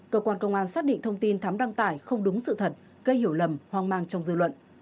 cơ quan công an xác định thông tin thắm đăng tải không đúng sự thật gây hiểu lầm hoang mang trong dư luận